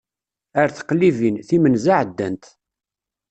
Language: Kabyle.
Ar teqlibin, timenza ɛeddant.